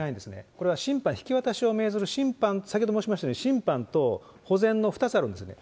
これは審判、引き渡しを命ずる、先ほど言いましたように、審判と保全の２つあるんですよね。